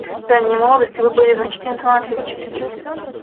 В ранней молодости Вы были значительно талантливее, чем сейчас.